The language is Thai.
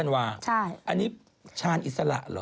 อันนี้ชาญอิสระเหรอ